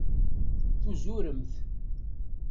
Tuzuremt.